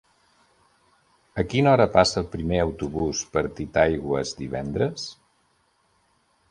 A quina hora passa el primer autobús per Titaigües divendres?